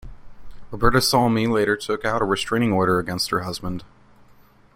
Roberta Salmi later took out a restraining order against her husband.